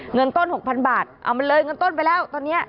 เงินต้น๖๐๐๐บาทเอามันเลยเงินต้นไปแล้วตอนนี้